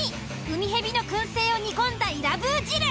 ウミヘビの燻製を煮込んだイラブー汁。